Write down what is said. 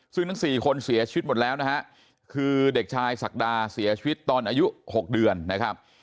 ซึ่งทั้ง๔คนเสียชีวิตหมดแล้วนะฮะคือเด็กชายศักดาเสียชีวิตตอนอายุ๖เดือนนะครับ